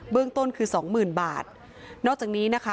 เรื่องต้นคือสองหมื่นบาทนอกจากนี้นะคะ